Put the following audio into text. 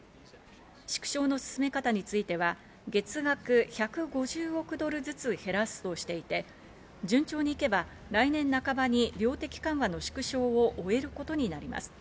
縮小の進め方については月額１５０億ドルずつ減らすとしていて、順調にいけば来年半ばに量的緩和の縮小を終えることになります。